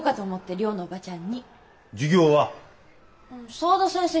沢田先生